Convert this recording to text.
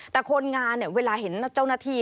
แต่คนงานเนี่ยเวลาเห็นเจ้าหน้าที่